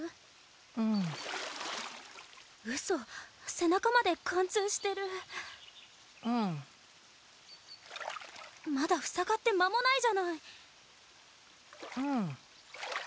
うんウソ背中まで貫通してるうんまだ塞がって間もないじゃないうん